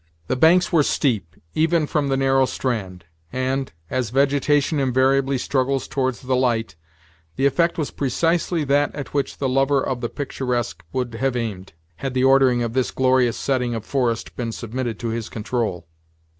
The banks were steep, even from the narrow strand; and, as vegetation invariably struggles towards the light, the effect was precisely that at which the lover of the picturesque would have aimed, had the ordering of this glorious setting of forest been submitted to his control.